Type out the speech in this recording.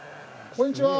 こんにちは。